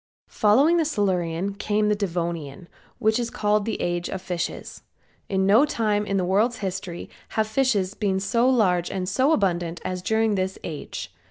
MUMFORD PUBLISHER.] Following the Silurian came the Devonian, which is called the age of fishes. In no time in the world's history have fishes been so large and so abundant as during this age.